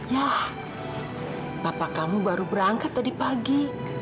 ya bapak kamu baru berangkat tadi pagi